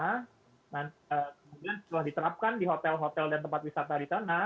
kemudian setelah diterapkan di hotel hotel dan tempat wisata di sana